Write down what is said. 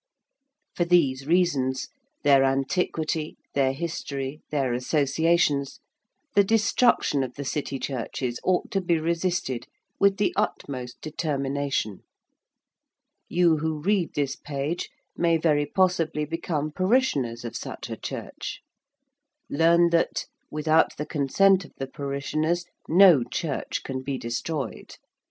For these reasons their antiquity, their history, their associations the destruction of the City churches ought to be resisted with the utmost determination. You who read this page may very possibly become parishioners of such a church. Learn that, without the consent of the parishioners, no church can be destroyed.